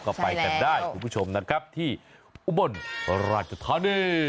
ก็ไปกันได้คุณผู้ชมนะครับที่อุบลราชธานี